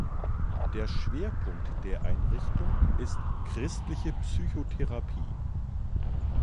Der Schwerpunkt der Einrichtung ist „christliche Psychotherapie“.